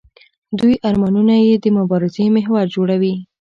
دوی ارمانونه یې د مبارزې محور جوړوي.